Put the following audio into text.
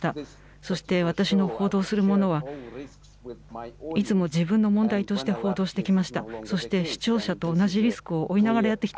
そして私の報道するものは、いつも自分の問題として報道してきました。